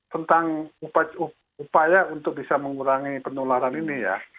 tentang upaya untuk bisa mengurangi penularan ini ya